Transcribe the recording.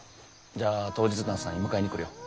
じゃあ当日の朝に迎えに来るよ。